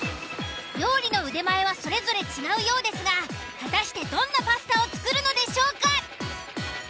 料理の腕前はそれぞれ違うようですが果たしてどんなパスタを作るのでしょうか。